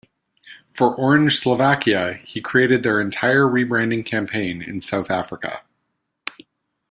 For Orange Slovakia, he created their entire re-branding campaign in South Africa.